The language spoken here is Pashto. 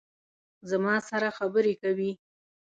زما سره خبرې کوي